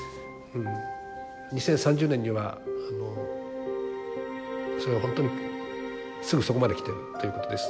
２０３０年には本当にすぐそこまで来てるということです。